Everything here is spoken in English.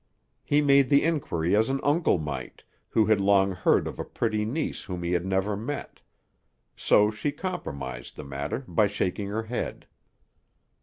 He made the inquiry as an uncle might, who had long heard of a pretty niece whom he had never met; so she compromised the matter by shaking her head.